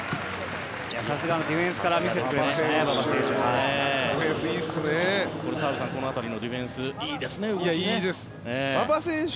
さすがのディフェンスから見せてくれましたね馬場選手。